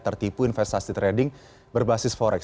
tertipu investasi trading berbasis forex